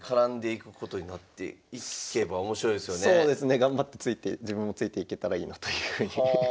頑張って自分もついていけたらいいなというふうに。